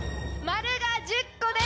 「〇」が１０個で。